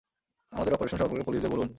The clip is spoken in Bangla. আমাদের অপারেশন সম্পর্কে পুলিশদের বলুন।